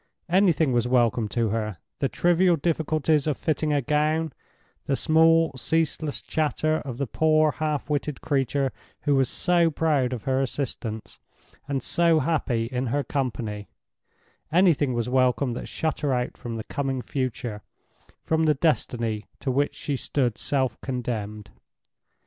Anything was welcome to her—the trivial difficulties of fitting a gown: the small, ceaseless chatter of the poor half witted creature who was so proud of her assistance, and so happy in her company—anything was welcome that shut her out from the coming future, from the destiny to which she stood self condemned.